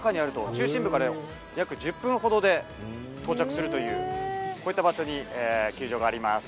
中心部から約１０分ほどで到着するという、こういった場所に球場があります。